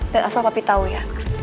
dan asal papi tahu ya